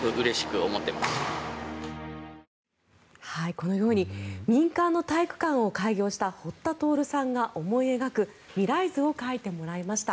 このように民間の体育館を開業した堀田享さんが思い描く未来図を描いてもらいました。